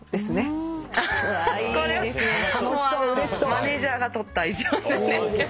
マネジャーが撮った一枚なんですけど。